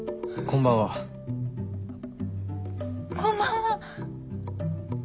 こんばんは。